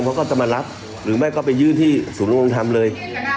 เพราะเขาจะมารับหรือไม่ก็ไปยื่นที่สูนุนโรงทำเลย